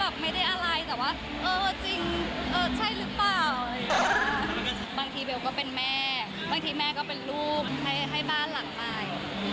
บางทีแม่ก็เป็นลูกให้บ้านหลังมาย